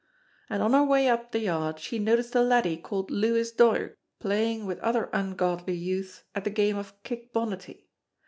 and on her way up the yard she noticed a laddie called Lewis Doig playing with other ungodly youths at the game of kickbonnety.